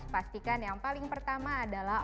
pastikan yang paling pertama adalah